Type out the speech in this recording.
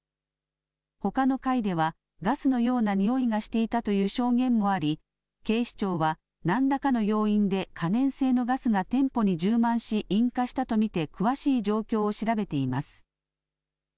ほかの階では、ガスのようなにおいがしていたという証言もあり、警視庁はなんらかの要因で可燃性のガスが店舗に充満し、引火したと見て詳しい状況を調べています。